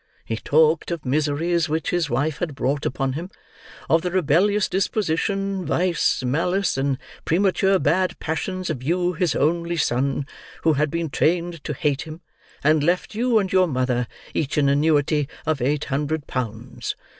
He talked of miseries which his wife had brought upon him; of the rebellious disposition, vice, malice, and premature bad passions of you his only son, who had been trained to hate him; and left you, and your mother, each an annuity of eight hundred pounds.